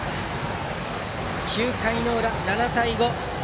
９回の裏、７対５。